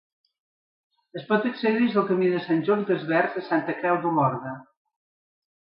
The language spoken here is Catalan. Es pot accedir des del camí de Sant Just Desvern a Santa Creu d'Olorda.